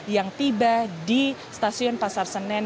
yang tiba di stasiun pasar senen